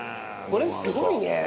これすごいね！